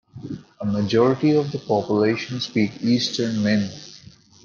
A majority of the population speak Eastern Min.